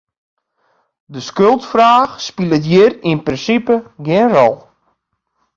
De skuldfraach spilet hjir yn prinsipe gjin rol.